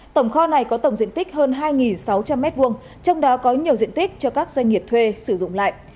tổng kho này có tổng diện tích hơn hai sáu trăm linh m hai trong đó có nhiều diện tích cho các doanh nghiệp thuê sử dụng lại